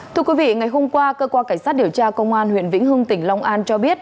thưa quý vị ngày hôm qua cơ quan cảnh sát điều tra công an huyện vĩnh hưng tỉnh long an cho biết